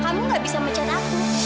kamu gak bisa mecana aku